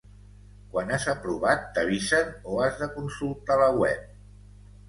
Quan has aprovat t'avisen o has de consultar la web?